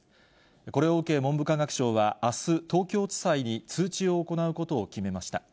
これを受け、文部科学省はあす、東京地裁に通知を行うことを決めました。